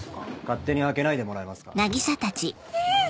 勝手に開けないでもらえますかヒィ！